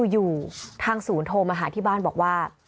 อยู่ทางศูนย์โทรมาหาที่บ้านบอกว่า